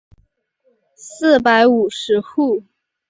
四百五十户。